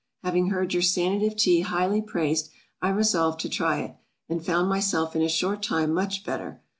Having heard your Sanative Tea highly praised, I resolved to try it, and found myself in a short time much better.